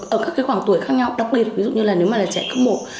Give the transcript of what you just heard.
ở các cái khoảng tuổi khác nhau đặc biệt ví dụ như là nếu mà là trẻ cấp một